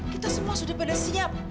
kita semua sudah pada siap